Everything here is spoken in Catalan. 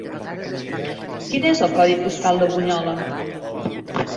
Quin és el codi postal de Bunyola?